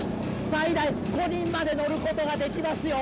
最大５人まで乗ることができますよ